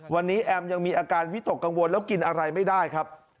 วันนี้แอมยังมีอาการวิตกกังวลแล้วกินอะไรไม่ได้ครับ